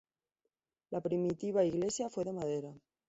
La primitiva iglesia fue de madera.